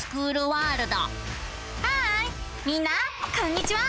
ハーイみんなこんにちは！